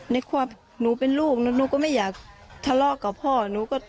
ในความหนูเป็นลูกหนูก็ไม่อยากทะเลาะกับพ่อหนูก็